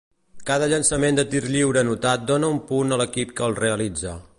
Cada llançament de tir lliure anotat dóna un punt a l'equip que el realitza.